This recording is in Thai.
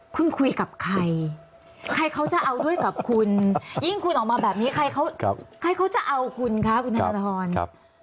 คุณคุยกับใครใครเขาจะเอาด้วยกับคุณยิ่งคุณออกมาแบบนี้ใครเขาจะเอาคุณคะคุณธนทร